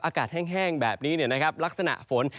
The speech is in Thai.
อากาศแห้งแบบนี้ลักษณะฝน